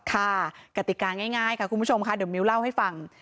กติกาง่ายค่ะคุณผู้ชมค่ะเดี๋ยวมิ้วเล่าให้ฟัง